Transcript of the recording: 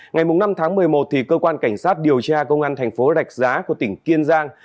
ngày năm tháng một mươi một cơ quan cảnh sát điều tra công an thành phố rạch giá của tỉnh kiên giang